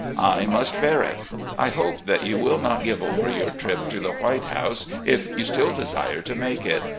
I must bear it. I hope that you will not give over your trip to the 'White House,' if you still desire to make it.